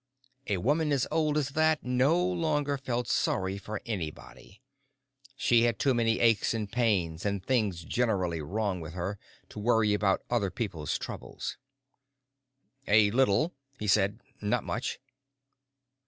A woman as old as that no longer felt sorry for anybody. She had too many aches and pains and things generally wrong with her to worry about other people's troubles. "A little," he said. "Not much."